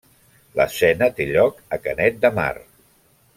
L'escena té lloc a Canet de Mar.